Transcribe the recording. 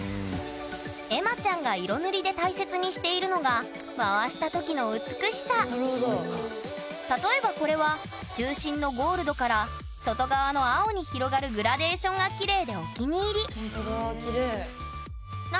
エマちゃんが色塗りで大切にしているのが例えばこれは中心のゴールドから外側の青に広がるグラデーションがきれいでお気に入りほんとだ